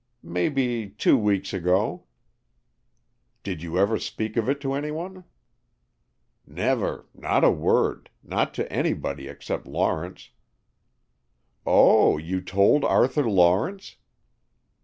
"Maybe two weeks ago." "Did you ever speak of it to anyone?" "Never, not a word. Not to anybody except Lawrence." "Oh, you told Arthur Lawrence?"